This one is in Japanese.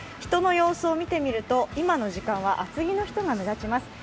人の様子を見てみると今の時間は厚着の人が目立ちます。